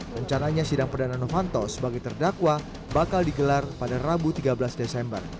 rencananya sidang perdana novanto sebagai terdakwa bakal digelar pada rabu tiga belas desember